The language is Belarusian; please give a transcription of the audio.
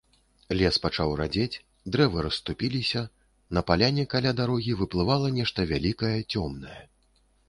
Лес пачаў радзець, дрэвы расступіліся, на паляне каля дарогі выплывала нешта вялікае, цёмнае.